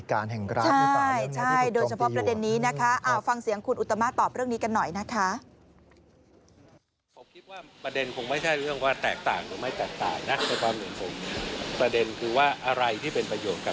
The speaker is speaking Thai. ของบัตรสวัสดิการแห่งราศน์ใช่โดยเฉพาะประเด็นนี้นะคะ